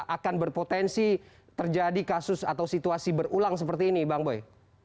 akan berpotensi terjadi kasus atau situasi berulang seperti ini bang boy